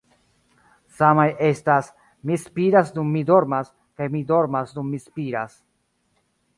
Samaj estas 'Mi spiras dum mi dormas' kaj 'Mi dormas dum mi spiras.'